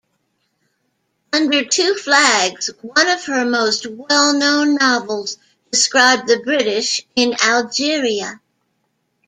"Under Two Flags", one of her most well-known novels, described the British in Algeria.